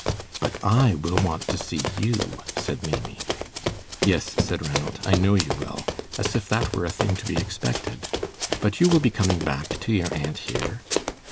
"But I will want to see you," said Maimie. "Yes," said Ranald, "I know you will," as if that were a thing to be expected. "But you will be coming back to your aunt here."